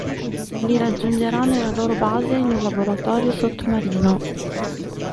Li raggiungerà nella loro base in un laboratorio sottomarino.